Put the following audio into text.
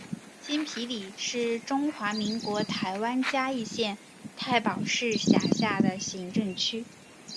新埤里是中华民国台湾嘉义县太保市辖下的行政区。